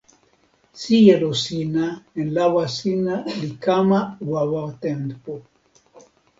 sijelo sina en lawa sina li kama wawa tenpo.